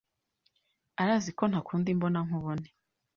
Arazi ko ntakunda imbona nkubone.